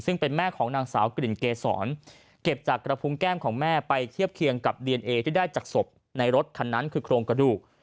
ซึ่งเป็นแม่ของนางสาวกลิ่นเกษรเก็บจากกระพุงแก้มของแม่ไปเทียบเคียงกับดีเอนเอที่ได้จากศพในรถคันนั้นคือโครงกระดูก